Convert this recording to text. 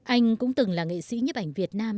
anh cũng từng là nghệ sĩ nhấp ảnh việt nam